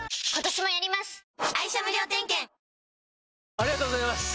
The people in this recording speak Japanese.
ありがとうございます！